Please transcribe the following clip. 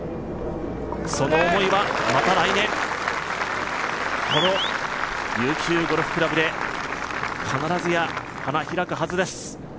その思いはまた来年、この琉球ゴルフ倶楽部で必ずや花開くはずです。